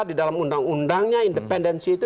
di dalam undang undangnya independensi itu